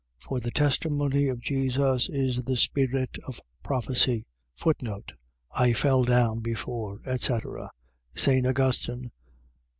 For the testimony of Jesus is the spirit of prophecy. I fell down before, etc. . .St. Augustine (lib.